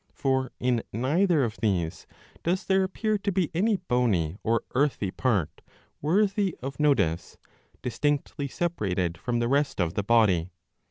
For in neither of these does there appear to be any bony or earthy part, worthy of notice, distinctly separated from the rest of the body.